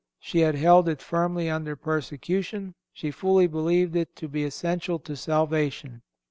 She had held it firmly under persecution. She fully believed it to be essential to salvation.